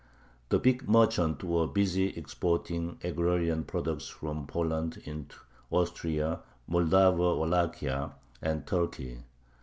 The big merchants were busy exporting agrarian products from Poland into Austria, Moldavo Wallachia, and Turkey.